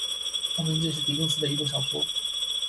《双城记》是狄更斯的一部小说。